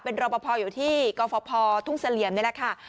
เป็นรอปภอยู่ที่กฟพทุ่งเสลี่ยมนี่แหละค่ะ